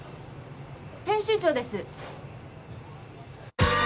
編集長です。